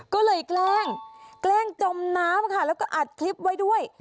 ก็เลยแกล้งแกล้งจมน้ำค่ะแล้วก็อัดคลิปไว้ด้วย